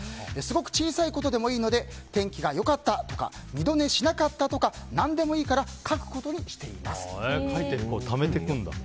すごく小さいことでもいいので天気が良かったとか二度寝しなかったとか何でもいいから書いてためていくんだ。